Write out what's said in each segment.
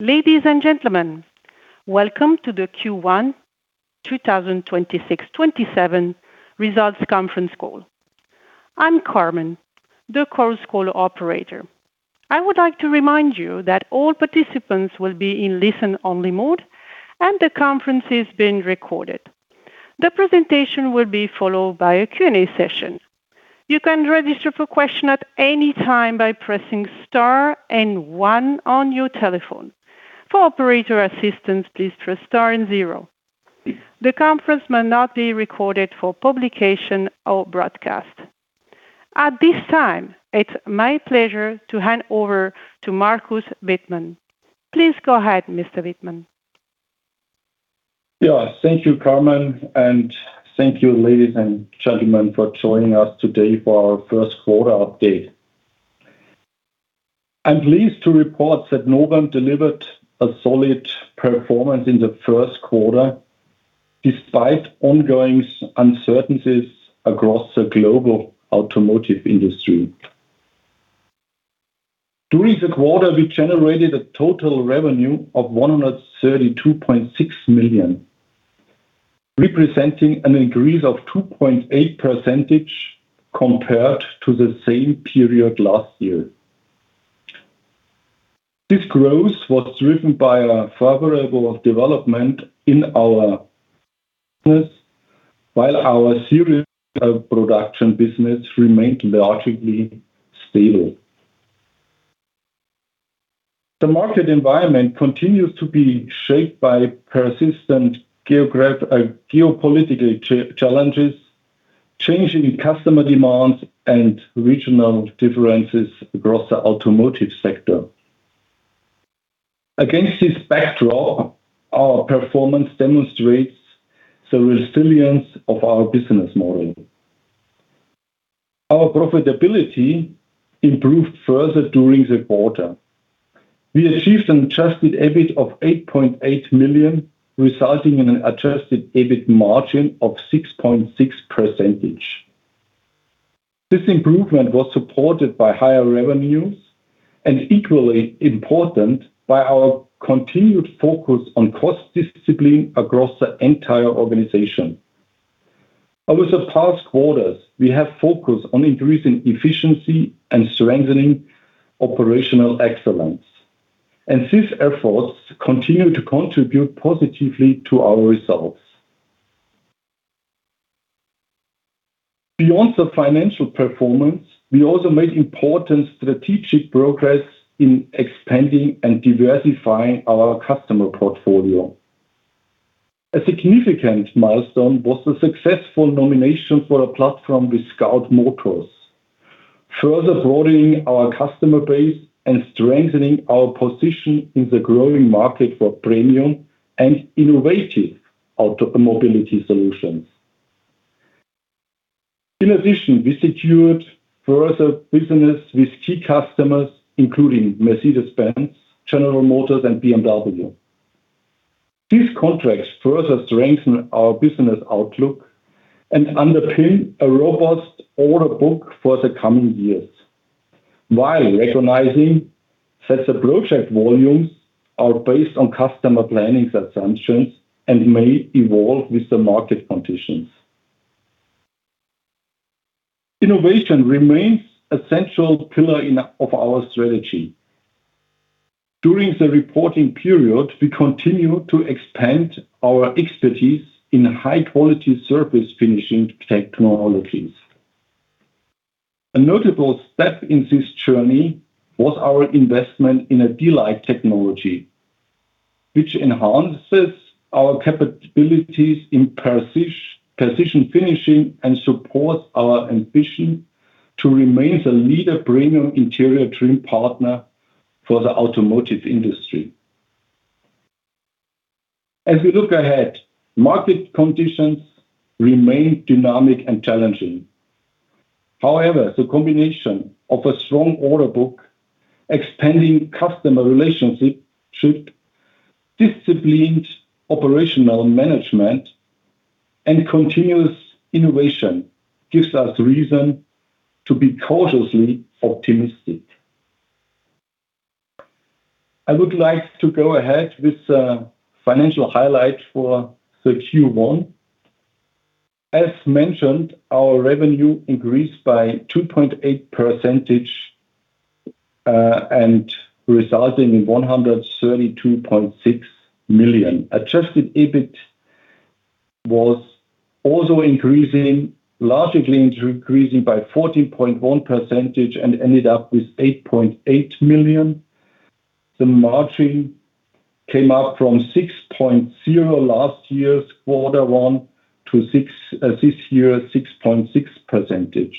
Ladies and gentlemen, welcome to the Q1 2026/27 results conference call. I am Carmen, the call's call operator. I would like to remind you that all participants will be in listen-only mode, and the conference is being recorded. The presentation will be followed by a Q&A session. You can register for questions at any time by pressing star and one on your telephone. For operator assistance, please press star and zero. The conference may not be recorded for publication or broadcast. At this time, it is my pleasure to hand over to Markus Wittmann. Please go ahead, Mr. Wittmann. Yeah. Thank you, Carmen, and thank you, ladies and gentlemen, for joining us today for our first quarter update. I am pleased to report that Novem delivered a solid performance in the first quarter despite ongoing uncertainties across the global automotive industry. During the quarter, we generated a total revenue of 132.6 million, representing an increase of 2.8% compared to the same period last year. This growth was driven by a favorable development in our business, while our serial production business remained largely stable. The market environment continues to be shaped by persistent geopolitical challenges, changing customer demands, and regional differences across the automotive sector. Against this backdrop, our performance demonstrates the resilience of our business model. Our profitability improved further during the quarter. We achieved an Adjusted EBIT of 8.8 million, resulting in an Adjusted EBIT margin of 6.6%.. This improvement was supported by higher revenues and, equally importantly, by our continued focus on cost discipline across the entire organization. Over the past quarters, we have focused on increasing efficiency and strengthening operational excellence, and these efforts continue to contribute positively to our results. Beyond the financial performance, we also made important strategic progress in expanding and diversifying our customer portfolio. A significant milestone was the successful nomination for a platform with Scout Motors, further broadening our customer base and strengthening our position in the growing market for premium and innovative automobility solutions. In addition, we secured further business with key customers, including Mercedes-Benz, General Motors, and BMW. These contracts further strengthen our business outlook and underpin a robust order book for the coming years, while recognizing that the project volumes are based on customer planning assumptions and may evolve with the market conditions. Innovation remains a central pillar of our strategy. During the reporting period, we continued to expand our expertise in high-quality surface finishing technologies. A notable step in this journey was our investment in a DLyte technology, which enhances our capabilities in precision finishing and supports our ambition to remain the leading premium interior trim partner for the automotive industry. As we look ahead, market conditions remain dynamic and challenging. However, the combination of a strong order book, expanding customer relationships, disciplined operational management, and continuous innovation gives us reason to be cautiously optimistic. I would like to go ahead with the financial highlights for the Q1. As mentioned, our revenue increased by 2.8% and resulting in 132.6 million. Adjusted EBIT was also increasing, largely increasing by 14.1% and ended up with 8.8 million. The margin came up from 6.0% last year's quarter one to this year, 6.6%.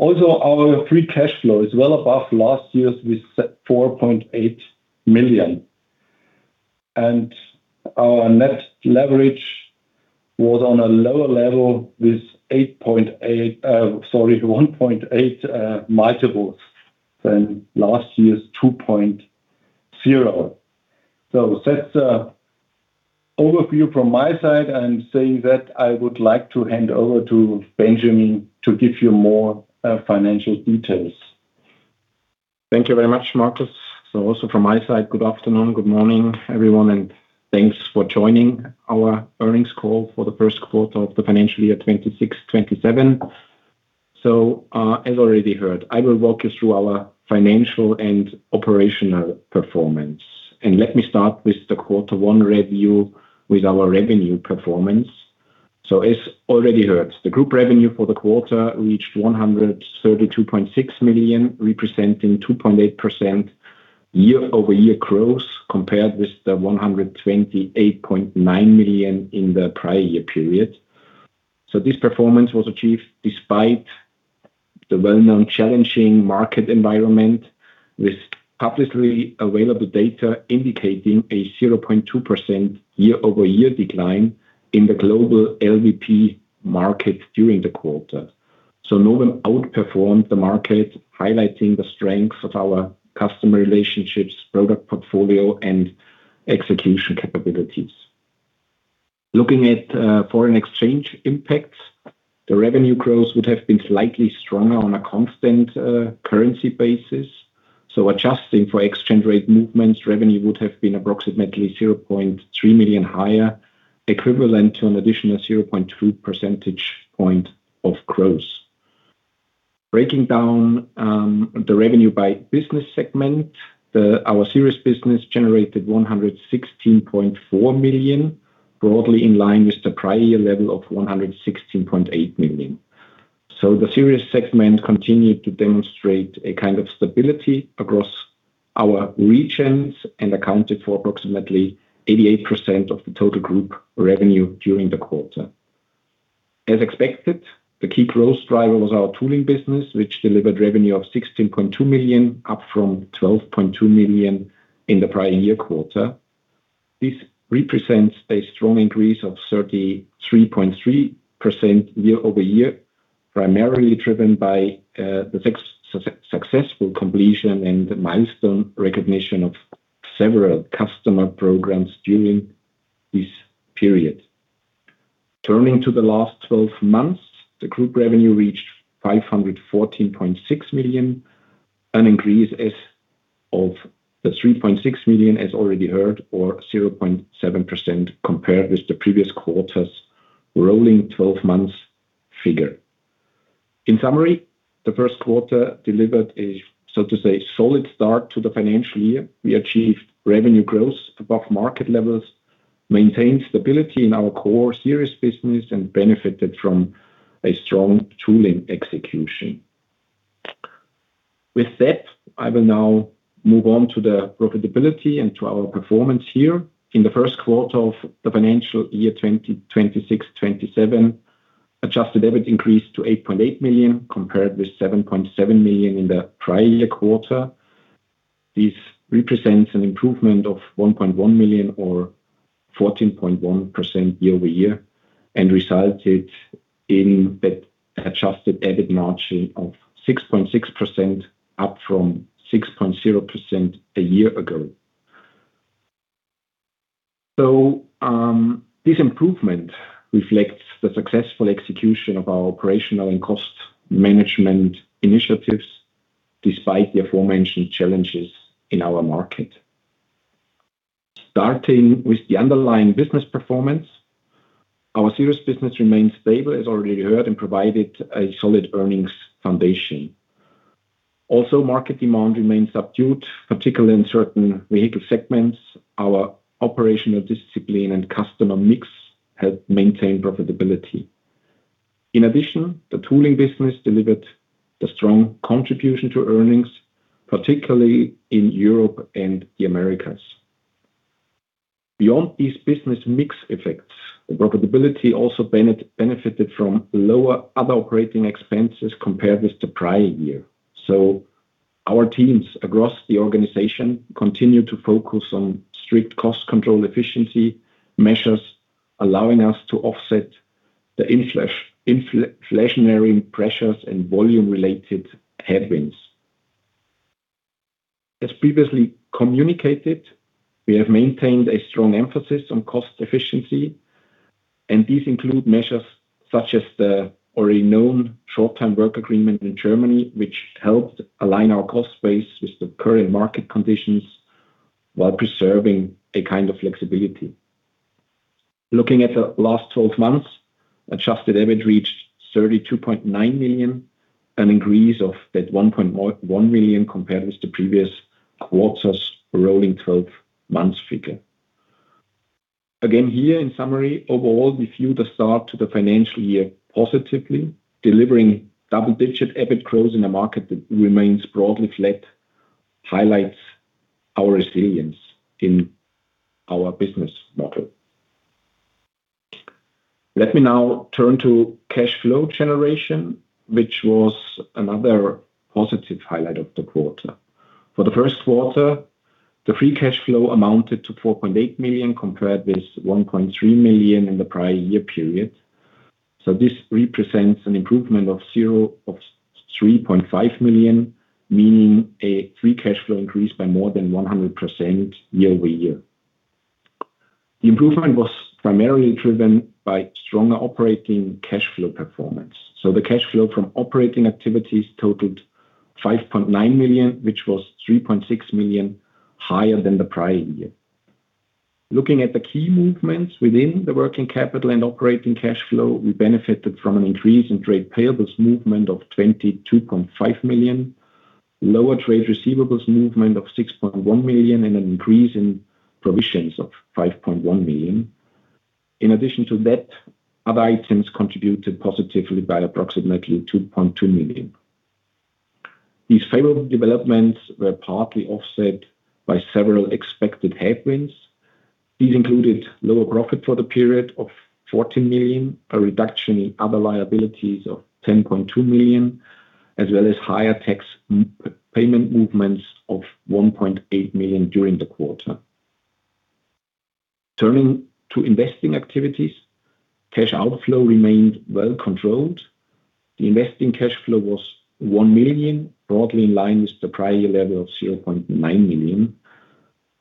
Our Free Cash Flow is well above last year's with 4.8 million. Our Net Leverage Ratio was on a lower level with 1.8 multiples than last year's 2.0 multiples. That's an overview from my side. I would like to hand over to Benjamin to give you more financial details. Thank you very much, Markus. Also from my side, good afternoon, good morning, everyone, and thanks for joining our earnings call for the first quarter of the financial year 2026/2027. As already heard, I will walk you through our financial and operational performance. Let me start with the Q1 review with our revenue performance. As already heard, the group revenue for the quarter reached 132.6 million, representing 2.8% year-over-year growth compared with the 128.9 million in the prior year period. This performance was achieved despite the well-known challenging market environment, with publicly available data indicating a 0.2% year-over-year decline in the global LVP market during the quarter. Novem outperformed the market, highlighting the strengths of our customer relationships, product portfolio, and execution capabilities. Looking at foreign exchange impacts, the revenue growth would have been slightly stronger on a constant currency basis. Adjusting for exchange rate movements, revenue would have been approximately 0.3 million higher, equivalent to an additional 0.2 percentage point of growth. Breaking down the revenue by business segment, our Series business generated 116.4 million, broadly in line with the prior year level of 116.8 million. The Series segment continued to demonstrate a kind of stability across our regions and accounted for approximately 88% of the total group revenue during the quarter. As expected, the key growth driver was our Tooling business, which delivered revenue of 16.2 million, up from 12.2 million in the prior year quarter. This represents a strong increase of 33.3% year-over-year, primarily driven by the successful completion and milestone recognition of several customer programs during this period. Turning to the last 12 months, the group revenue reached 514.6 million, an increase of 3.6 million as already heard, or 0.7% compared with the previous quarter's rolling 12 months figure. In summary, the first quarter delivered a, so to say, solid start to the financial year. We achieved revenue growth above market levels, maintained stability in our core Series business, and benefited from a strong Tooling execution. With that, I will now move on to the profitability and to our performance here. In the first quarter of the financial year 2026/2027, Adjusted EBIT increased to 8.8 million, compared with 7.7 million in the prior year quarter. This represents an improvement of 1.1 million or 14.1% year-over-year and resulted in that Adjusted EBIT margin of 6.6%, up from 6.0% a year ago. This improvement reflects the successful execution of our operational and cost management initiatives, despite the aforementioned challenges in our market. Starting with the underlying business performance, our Series business remains stable, as already heard, and provided a solid earnings foundation. Market demand remains subdued, particularly in certain vehicle segments. Our operational discipline and customer mix helped maintain profitability. In addition, the Tooling business delivered a strong contribution to earnings, particularly in Europe and the Americas. Beyond these business mix effects, the profitability also benefited from lower other operating expenses compared with the prior year. Our teams across the organization continue to focus on strict cost control efficiency measures, allowing us to offset the inflationary pressures and volume-related headwinds. As previously communicated, we have maintained a strong emphasis on cost efficiency. These include measures such as the already known Short-Term Work Agreement in Germany, which helped align our cost base with the current market conditions while preserving a kind of flexibility. Looking at the last 12 months, Adjusted EBIT reached 32.9 million, an increase of 1.1 million compared with the previous quarter's rolling 12 months figure. Overall, we view the start to the financial year positively, delivering double-digit EBIT growth in a market that remains broadly flat highlights our resilience in our business model. Let me now turn to cash flow generation, which was another positive highlight of the quarter. For the first quarter, the Free Cash Flow amounted to 4.8 million, compared with 1.3 million in the prior year period. This represents an improvement of 3.5 million, meaning a Free Cash Flow increase by more than 100% year-over-year. The improvement was primarily driven by stronger operating cash flow performance. The cash flow from operating activities totaled 5.9 million, which was 3.6 million higher than the prior year. Looking at the key movements within the working capital and operating cash flow, we benefited from an increase in trade payables movement of 22.5 million, lower trade receivables movement of 6.1 million, and an increase in provisions of 5.1 million. In addition to that, other items contributed positively by approximately 2.2 million. These favorable developments were partly offset by several expected headwinds. These included lower profit for the period of 14 million, a reduction in other liabilities of 10.2 million, as well as higher tax payment movements of 1.8 million during the quarter. Turning to investing activities, cash outflow remained well controlled. The investing cash flow was 1 million, broadly in line with the prior year level of 0.9 million.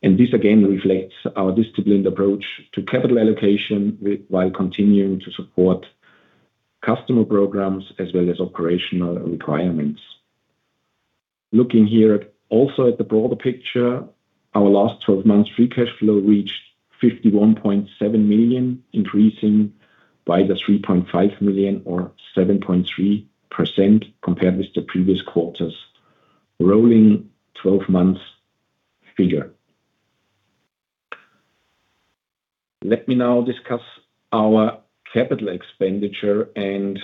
This again reflects our disciplined approach to capital allocation while continuing to support customer programs as well as operational requirements. Looking here also at the broader picture, our last 12 months Free Cash Flow reached 51.7 million, increasing by 3.5 million or 7.3% compared with the previous quarter's rolling 12 months figure. Let me now discuss our capital expenditure and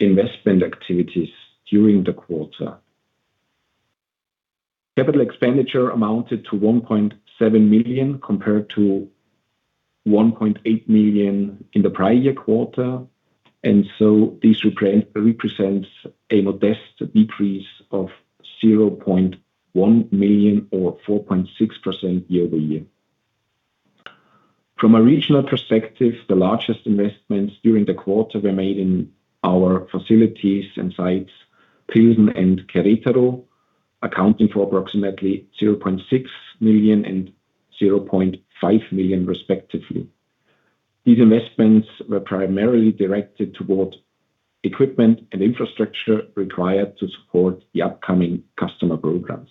investment activities during the quarter. Capital expenditure amounted to 1.7 million, compared to 1.8 million in the prior year quarter. This represents a modest decrease of 0.1 million or 4.6% year-over-year. From a regional perspective, the largest investments during the quarter were made in our facilities and sites, Pilsen and Querétaro, accounting for approximately 0.6 million and 0.5 million respectively. These investments were primarily directed toward equipment and infrastructure required to support the upcoming customer programs.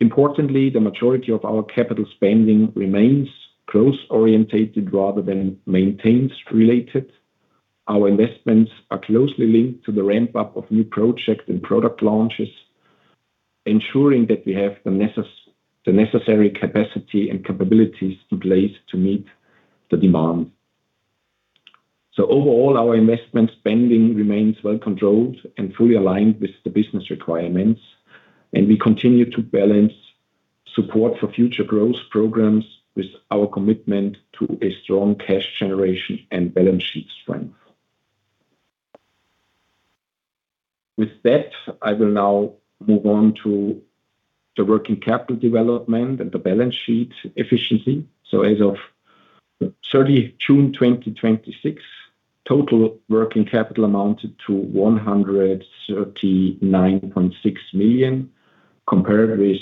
Importantly, the majority of our capital spending remains core-oriented rather than maintenance-related. Our investments are closely linked to the ramp-up of new projects and product launches, ensuring that we have the necessary capacity and capabilities in place to meet the demand. Overall, our investment spending remains well controlled and fully aligned with the business requirements, and we continue to balance support for future growth programs with our commitment to a strong cash generation and balance sheet strength. With that, I will now move on to the working capital development and the balance sheet efficiency. As of June 30, 2026, total working capital amounted to 139.6 million, compared with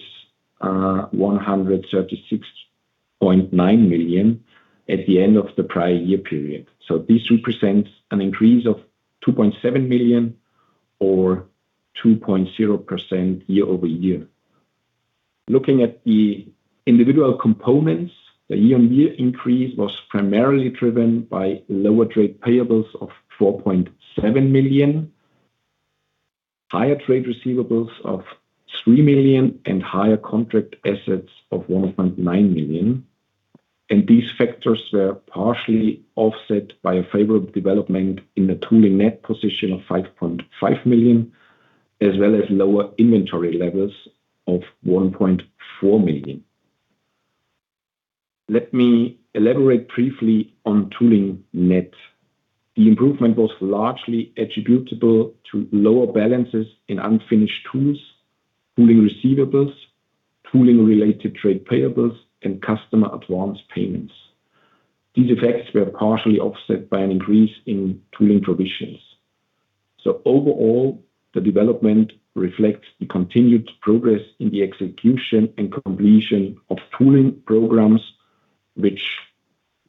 136.9 million at the end of the prior year period. This represents an increase of 2.7 million or 2.0% year-over-year. Looking at the individual components, the year-on-year increase was primarily driven by lower trade payables of 4.7 million, higher trade receivables of 3.0 Million, and higher contract assets of 1.9 million. These factors were partially offset by a favorable development in the Tooling net position of 5.5 million, as well as lower inventory levels of 1.4 million. Let me elaborate briefly on Tooling net. The improvement was largely attributable to lower balances in unfinished tools, Tooling receivables, Tooling-related trade payables, and customer advance payments. These effects were partially offset by an increase in Tooling provisions. Overall, the development reflects the continued progress in the execution and completion of Tooling programs, which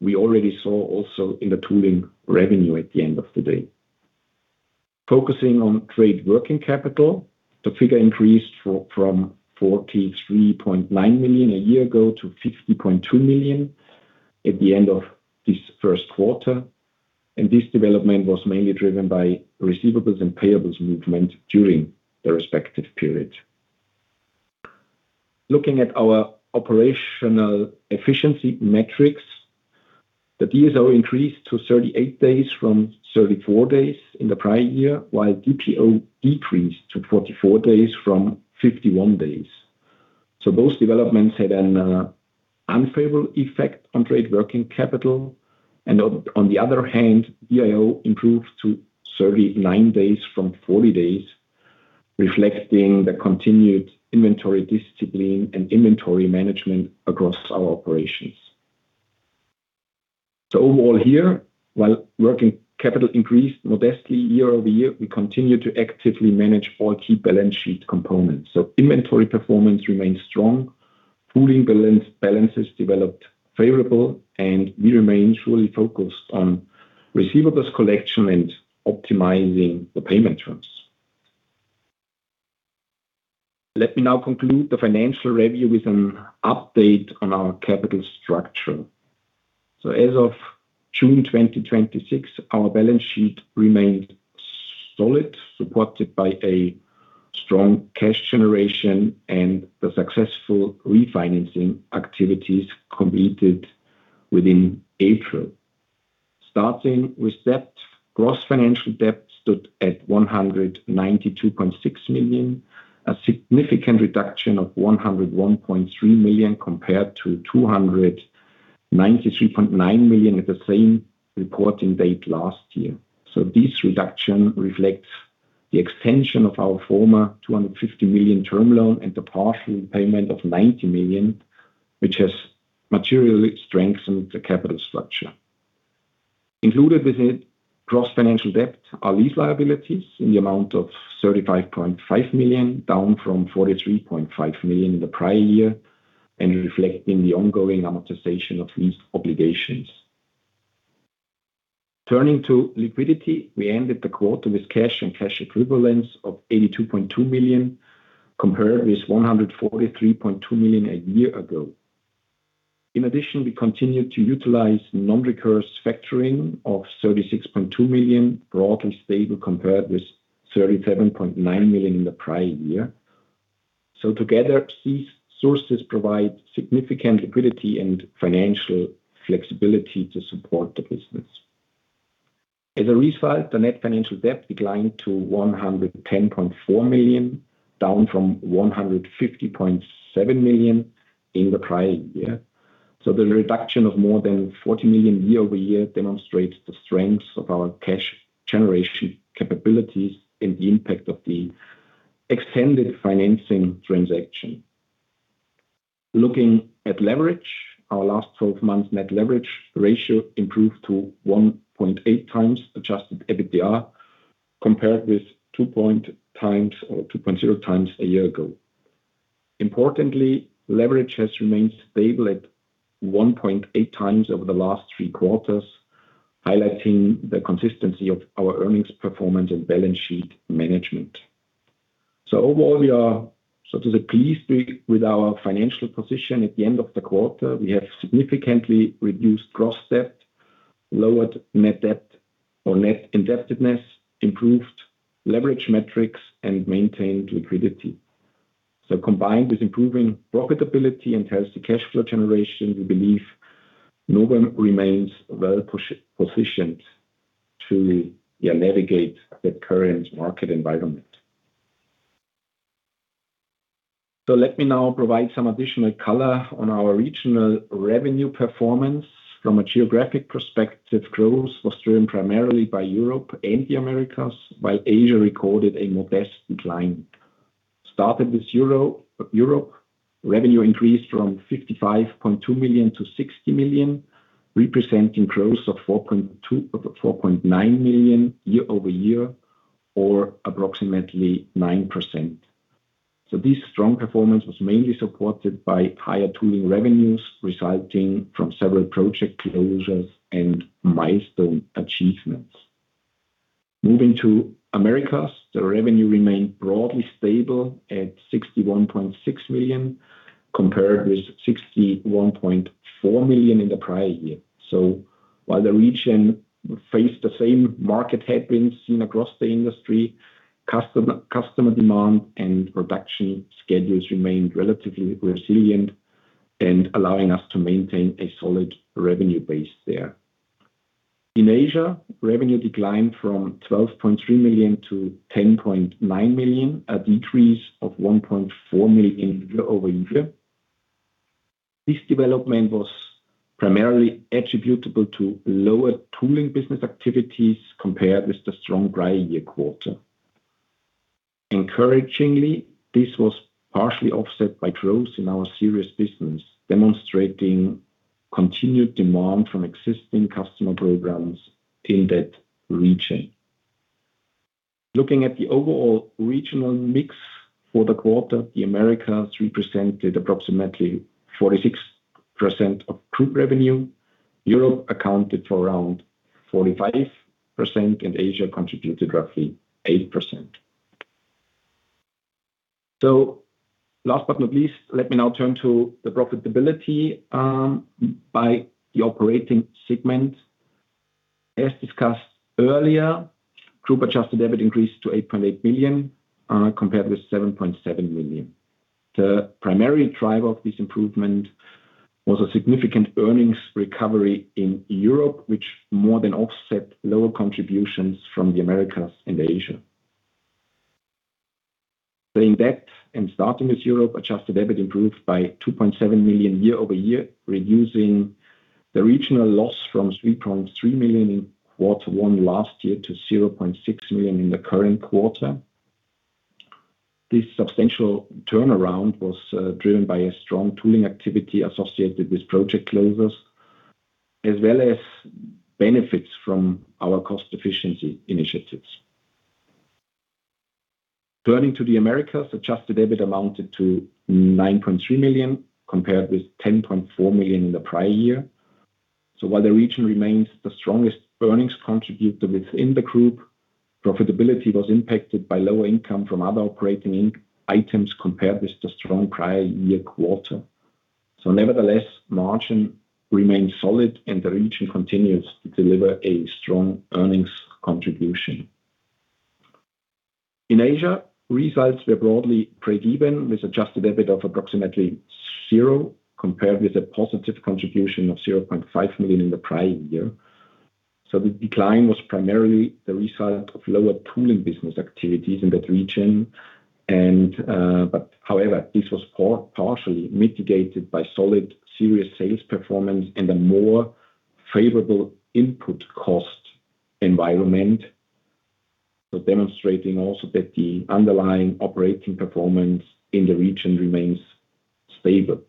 we already saw also in the Tooling revenue at the end of the day. Focusing on trade working capital, the figure increased from 43.9 million a year ago to 50.2 million at the end of this first quarter. This development was mainly driven by receivables and payables movement during the respective period. Looking at our operational efficiency metrics, the DSO increased to 38 days from 34 days in the prior year, while DPO decreased to 44 days from 51 days. Those developments had an unfavorable effect on trade working capital. On the other hand, DIO improved to 39 days from 40 days, reflecting the continued inventory discipline and inventory management across our operations. Overall here, while working capital increased modestly year-over-year, we continue to actively manage all key balance sheet components. Inventory performance remains strong, Tooling balances developed favorably, and we remain truly focused on receivables collection and optimizing the payment terms. Let me now conclude the financial review with an update on our capital structure. As of June 2026, our balance sheet remained solid, supported by a strong cash generation and the successful refinancing activities completed within April. Starting with debt, gross financial debt stood at 192.6 million, a significant reduction of 101.3 million compared to 293.9 million at the same reporting date last year. This reduction reflects the extension of our former 250 million term loan and the partial repayment of 90 million, which has materially strengthened the capital structure. Included within gross financial debt are lease liabilities in the amount of 35.5 million, down from 43.5 million in the prior year, and reflecting the ongoing amortization of lease obligations. Turning to liquidity, we ended the quarter with cash and cash equivalents of 82.2 million, compared with 143.2 million a year ago. In addition, we continued to utilize non-recourse factoring of 36.2 million, broadly stable compared with 37.9 million in the prior year. Together, these sources provide significant liquidity and financial flexibility to support the business. As a result, the net financial debt declined to 110.4 million, down from 150.7 million in the prior year. The reduction of more than 40 million year-over-year demonstrates the strengths of our cash generation capabilities and the impact of the extended financing transaction. Looking at leverage, our last 12 months Net Leverage Ratio improved to 1.8x Adjusted EBITDA, compared with 2.0x a year ago. Importantly, leverage has remained stable at 1.8 times over the last three quarters, highlighting the consistency of our earnings performance and balance sheet management. Overall, we are pleased with our financial position at the end of the quarter. We have significantly reduced gross debt, lowered net debt or net indebtedness, improved leverage metrics, and maintained liquidity. Combined with improving profitability and healthy Free Cash Flow generation, we believe Novem remains well-positioned to navigate the current market environment. Let me now provide some additional color on our regional revenue performance. From a geographic perspective, growth was driven primarily by Europe and the Americas, while Asia recorded a modest decline. Starting with Europe, revenue increased from 55.2 million to 60 million, representing growth of 4.9 million year-over-year or approximately 9%. This strong performance was mainly supported by higher Tooling revenues resulting from several project closures and milestone achievements. Moving to the Americas, the revenue remained broadly stable at 61.6 million, compared with 61.4 million in the prior year. While the region faced the same market headwinds seen across the industry, customer demand and production schedules remained relatively resilient and allowing us to maintain a solid revenue base there. In Asia, revenue declined from 12.3 million to 10.9 million, a decrease of 1.4 million year-over-year. This development was primarily attributable to lower Tooling business activities compared with the strong prior year quarter. Encouragingly, this was partially offset by growth in our Series business, demonstrating continued demand from existing customer programs in that region. Looking at the overall regional mix for the quarter, the Americas represented approximately 46% of group revenue. Europe accounted for around 45%, and Asia contributed roughly 8%. Last but not least, let me now turn to the profitability by the operating segment. As discussed earlier, group Adjusted EBIT increased to 8.8 million, compared with 7.7 million. The primary driver of this improvement was a significant earnings recovery in Europe, which more than offset lower contributions from the Americas and Asia. Staying back and starting with Europe, Adjusted EBIT improved by 2.7 million year-over-year, reducing the regional loss from 3.3 million in quarter one last year to 0.6 million in the current quarter. This substantial turnaround was driven by a strong Tooling activity associated with project closures, as well as benefits from our cost efficiency initiatives. Turning to the Americas, Adjusted EBIT amounted to 9.3 million, compared with 10.4 million in the prior year. While the region remains the strongest earnings contributor within the group, profitability was impacted by lower income from other operating items compared with the strong prior year quarter. Nevertheless, margin remains solid, and the region continues to deliver a strong earnings contribution. In Asia, results were broadly breakeven, with Adjusted EBIT of approximately zero, compared with a positive contribution of 0.5 million in the prior year. The decline was primarily the result of lower Tooling business activities in that region. However, this was partially mitigated by solid Series sales performance and a more favorable input cost environment. Demonstrating also that the underlying operating performance in the region remains stable.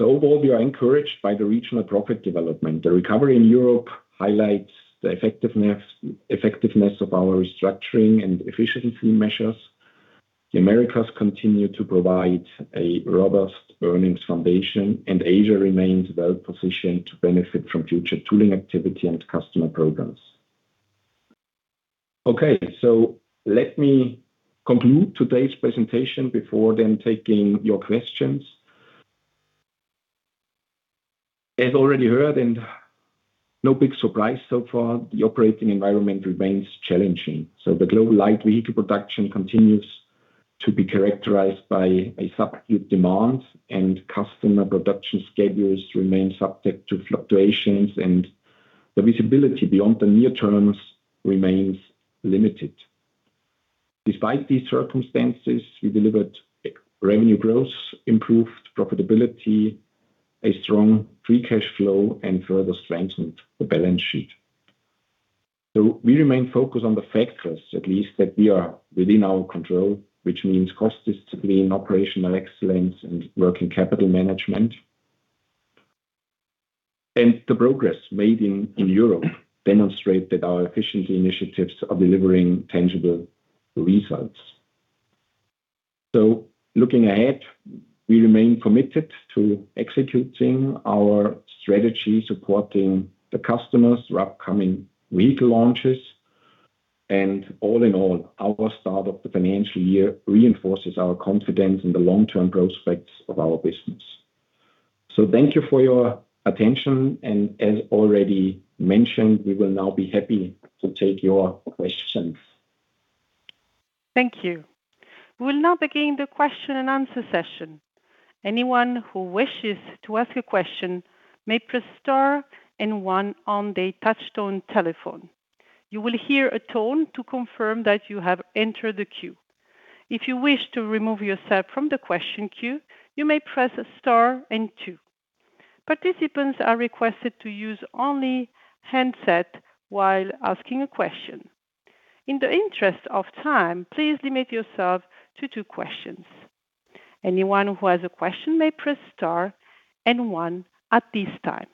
Overall, we are encouraged by the regional profit development. The recovery in Europe highlights the effectiveness of our restructuring and efficiency measures. The Americas continue to provide a robust earnings foundation, and Asia remains well-positioned to benefit from future Tooling activity and customer programs. Okay, let me conclude today's presentation before then taking your questions. As already heard, no big surprise so far, the operating environment remains challenging. The global light vehicle production continues to be characterized by a subdued demand, customer production schedules remain subject to fluctuations, the visibility beyond the near terms remains limited. Despite these circumstances, we delivered revenue growth, improved profitability, a strong Free Cash Flow, and further strengthened the balance sheet. We remain focused on the factors, at least, that are within our control, which means cost discipline, operational excellence, and working capital management. The progress made in Europe demonstrate that our efficiency initiatives are delivering tangible results. Looking ahead, we remain committed to executing our strategy, supporting the customers through upcoming vehicle launches. All in all, our start of the financial year reinforces our confidence in the long-term prospects of our business. Thank you for your attention, as already mentioned, we will now be happy to take your questions. Thank you. We will now begin the question and answer session. Anyone who wishes to ask a question may press star and one on the touchtone telephone. You will hear a tone to confirm that you have entered the queue. If you wish to remove yourself from the question queue, you may press star and two. Participants are requested to use only handset while asking a question. In the interest of time, please limit yourself to two questions. Anyone who has a question may press star and one at this time.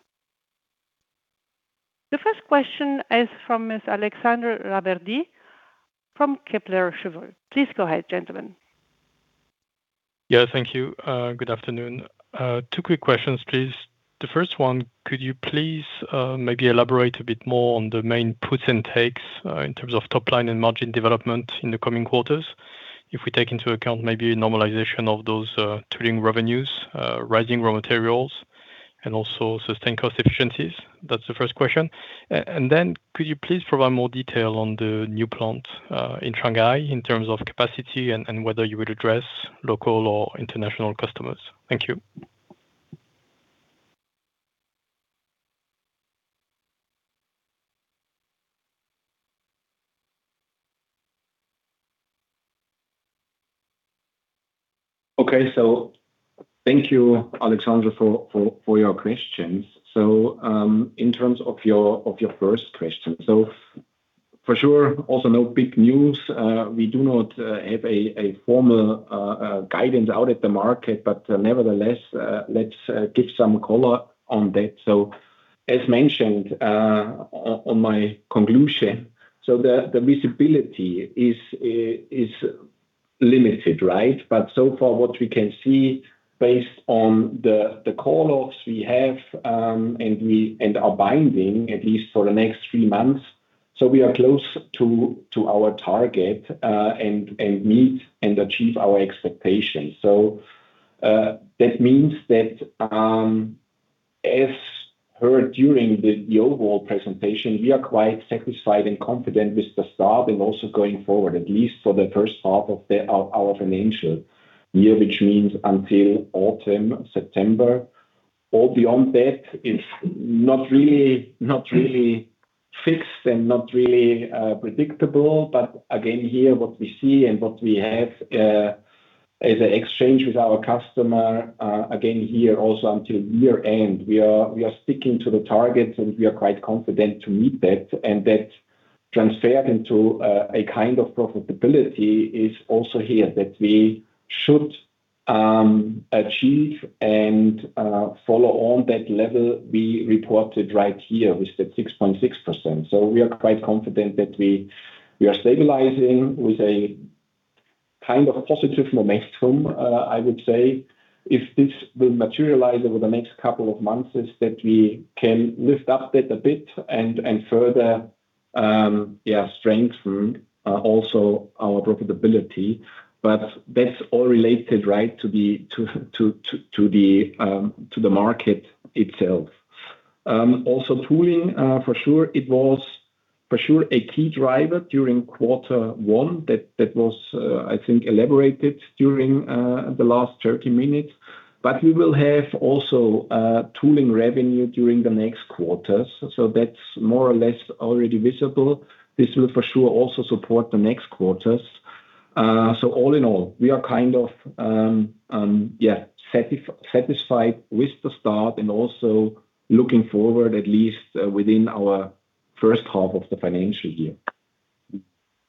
The first question is from Mr. Alexandre Raverdy from Kepler Cheuvreux. Please go ahead, gentlemen. Thank you. Good afternoon. Two quick questions, please. Could you please maybe elaborate a bit more on the main puts and takes in terms of top line and margin development in the coming quarters? If we take into account maybe normalization of those Tooling revenues, rising raw materials, and also sustained cost efficiencies. That's the first question. Could you please provide more detail on the new plant in Shanghai in terms of capacity and whether you would address local or international customers? Thank you. Thank you, Alexandre, for your questions. In terms of your first question. For sure, also no big news. We do not have a formal guidance out at the market. Nevertheless, let's give some color on that. As mentioned on my conclusion, the visibility is limited, right? So far what we can see based on the call-offs we have, and are binding at least for the next three months. We are close to our target and meet and achieve our expectations. That means that as heard during the overall presentation, we are quite satisfied and confident with the start and also going forward, at least for the first half of our financial year, which means until autumn, September. All beyond that is not really fixed and not really predictable. Again, here, what we see and what we have as an exchange with our customer, again here also until year-end, we are sticking to the targets, and we are quite confident to meet that. That transferred into a kind of profitability is also here that we should achieve and follow on that level we reported right here with that 6.6%. We are quite confident that we are stabilizing with a kind of positive momentum, I would say. If this will materialize over the next couple of months, is that we can lift up that a bit and further, yeah, strengthen also our profitability. That's all related, right, to the market itself. Also Tooling, for sure, it was for sure a key driver during quarter one that was, I think, elaborated during the last 30 minutes. We will have also Tooling revenue during the next quarters. That's more or less already visible. This will for sure also support the next quarters. All in all, we are kind of, yeah, satisfied with the start and also looking forward at least within our first half of the financial year.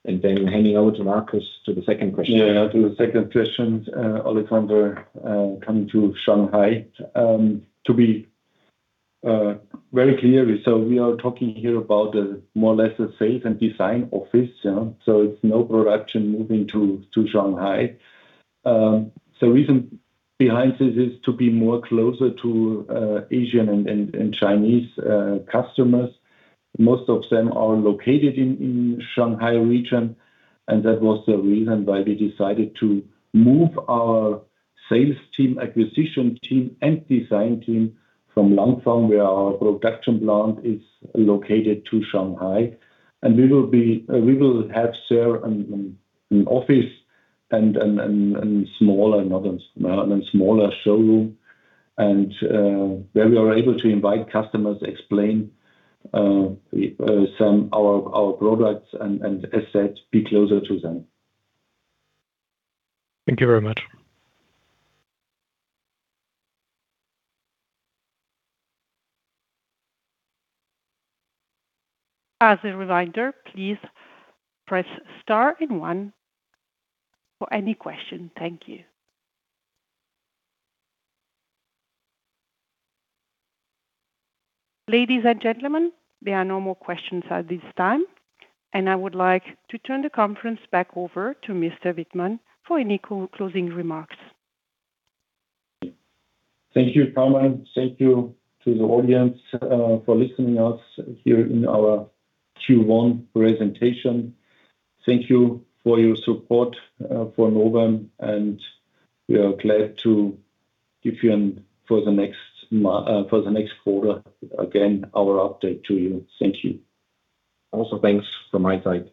Handing over to Markus to the second question. Yeah, to the second question, Alexandre, coming to Shanghai. To be very clear, we are talking here about more or less a sales and design office. It's no production moving to Shanghai. Reason behind this is to be more closer to Asian and Chinese customers. Most of them are located in Shanghai region, and that was the reason why we decided to move our sales team, acquisition team, and design team from Langfang, where our production plant is located, to Shanghai. We will have there an office and smaller showroom, and where we are able to invite customers, explain some our products and, as said, be closer to them. Thank you very much. As a reminder, please press star and one for any question. Thank you. Ladies and gentlemen, there are no more questions at this time, I would like to turn the conference back over to Mr. Wittmann for any closing remarks. Thank you, Carmen. Thank you to the audience for listening us here in our Q1 presentation. Thank you for your support for Novem, we are glad to give you for the next quarter, again, our update to you. Thank you. Also, thanks from my side.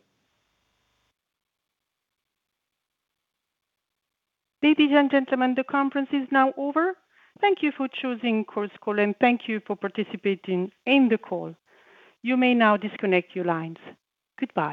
Ladies and gentlemen, the conference is now over. Thank you for choosing Chorus Call, and thank you for participating in the call. You may now disconnect your lines. Goodbye.